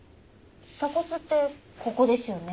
鎖骨ってここですよね？